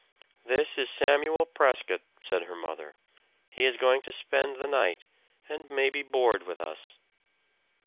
"This is Samuel Prescott," said her mother. "He is going to spend the night, and maybe board with us."